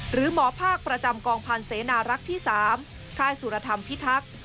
หรือหมอภาคประจำกองพันธ์เสนารักษ์ที่๓ค่ายสุรธรรมพิทักษ์